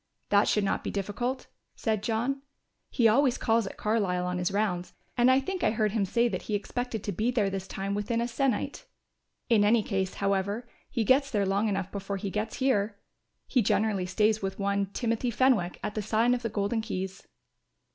"That should not be difficult," said John. "He always calls at Carlisle on his rounds and I think I heard him say that he expected to be there this time within a sennight. In any case, however, he gets there long enough before he gets here. He generally stays with one, Timothy Fenwick, at the sign of the Golden Keys."